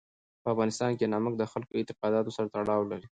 په افغانستان کې نمک د خلکو د اعتقاداتو سره تړاو لري.